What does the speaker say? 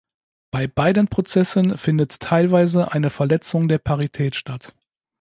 Bei beiden Prozessen findet teilweise eine Verletzung der Parität statt.